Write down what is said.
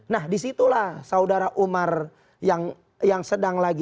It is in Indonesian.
nah disitulah saudara umar yang sedang lagi